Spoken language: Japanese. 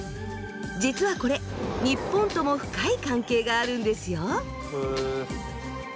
実はこれ日本とも深い関係があるんですよ。